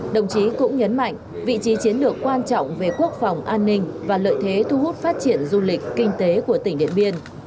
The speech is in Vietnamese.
đồng chí cũng nhấn mạnh vị trí chiến lược quan trọng về quốc phòng an ninh và lợi thế thu hút phát triển du lịch kinh tế của tỉnh điện biên